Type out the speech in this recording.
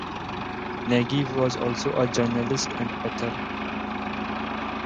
Nagy was also a journalist and author.